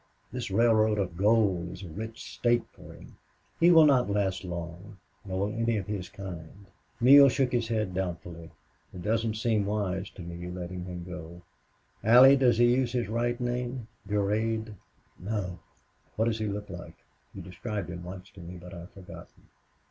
This railroad of gold is a rich stake for him. He will not last long, nor will any of his kind." Neale shook his head doubtfully. "It doesn't seem wise to me letting him go.... Allie, does he use his right name Durade?" "No." "What does he look like? You described him once to me, but I've forgotten."